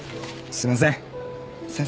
すみません。